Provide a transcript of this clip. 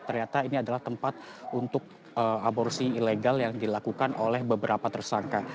ternyata ini adalah tempat untuk aborsi ilegal yang dilakukan oleh beberapa tersangka